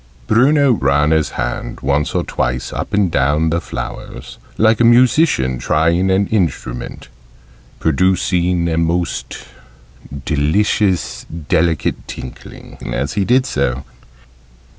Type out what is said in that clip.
Bruno ran his hand once or twice up and down the flowers, like a musician trying an instrument, producing a most delicious delicate tinkling as he did so.